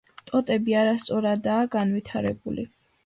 ტოტები არასწორადაა განვითარებული.